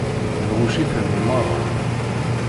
Nɣucc-iten i meṛṛa.